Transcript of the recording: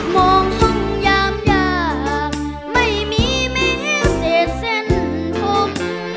มองห้องยามยากไม่มีแม้เศษเส้นผม